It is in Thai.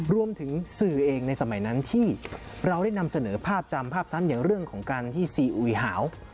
รวมถึงสื่อเองในสมัยนั้นที่เราได้นำเสนอภาพจำภาพซ้ำอย่างเรื่องของการที่ซีอุยหาว